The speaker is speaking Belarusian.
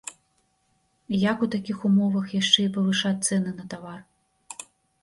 І як у такіх умовах яшчэ і павышаць цэны на тавар?